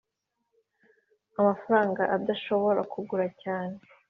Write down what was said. amafaranga adashobora kugura cyane